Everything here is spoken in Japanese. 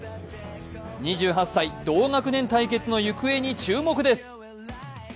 ２８歳、同学年対決の行方に注目です